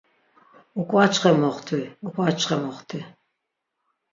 Uǩvaçxe moxti, uǩvaçxe moxti.